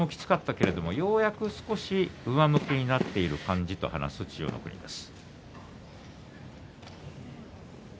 本人も今年１年はとてもきつかったけれどもようやく少し上向きになっている感じと話す千代の国です。